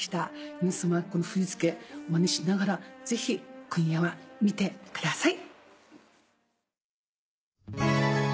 皆さまこの振り付けまねしながらぜひ今夜は見てください。